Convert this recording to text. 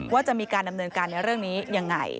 ว่าจะมีการดำเนินการในเรื่องนี้ยังไง